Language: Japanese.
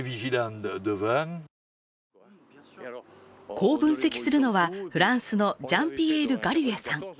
こう分析するのは、フランスのジャンピエール・ガリュエさん。